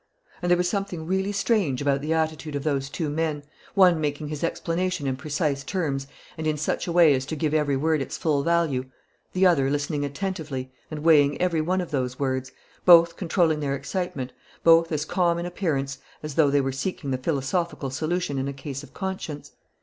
And there was something really strange about the attitude of those two men, one making his explanation in precise terms and in such a way as to give every word its full value, the other listening attentively and weighing every one of those words; both controlling their excitement; both as calm in appearance as though they were seeking the philosophical solution in a case of conscience.